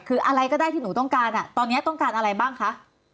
คืออะไรก็ได้ที่หนูต้องการตอนนี้ต้องการอะไรบ้างคะ